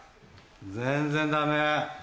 全然ダメ。